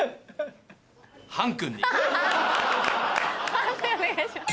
判定お願いします。